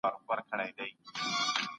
سیاستپوهنه د بریا لاره ده.